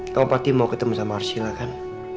tau pasti mau ketemu sama arsila kan